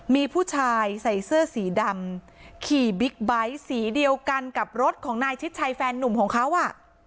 มีผู้ชายใส่เสื้อสีดำขี่บิ๊กไบท์สีเดียวกันกับรถของนายชิดชัยแฟนนุ่มของเขาอ่ะ